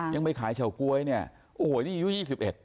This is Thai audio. ยังไม่ขายเฉาก๊วยเนี่ยโอ้โหนี่อายุ๒๑